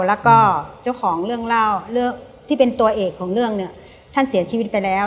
แล้วก็เจ้าของเรื่องเล่าเรื่องที่เป็นตัวเอกของเรื่องเนี่ยท่านเสียชีวิตไปแล้ว